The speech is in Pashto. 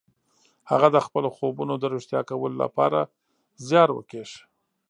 هغه د خپلو خوبونو د رښتيا کولو لپاره زيار وکيښ.